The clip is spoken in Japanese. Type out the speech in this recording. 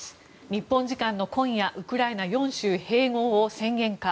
日本時間の今夜ウクライナ４州併合を宣言か。